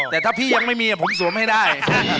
แต่ถ้าพี่ยังไม่มีผมสวมให้ได้